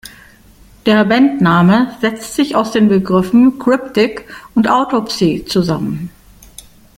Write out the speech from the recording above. Der Bandname setzt sich aus den Begriffen "Cryptic" und "Autopsy" zusammen.